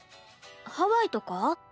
ハワイとか？